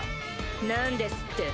何ですって？